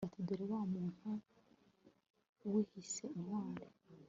bati dore wa muntu wiyise intwari